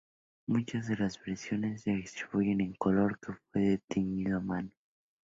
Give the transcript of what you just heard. Muchas de las versiones se distribuyen en color, que fue teñido a mano.